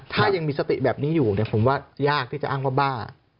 ถ้ายังมีสติแบบนี้อยู่เนี่ยผมว่ายากที่จะอ้างว่าบ้า